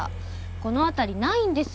この辺りないんですよ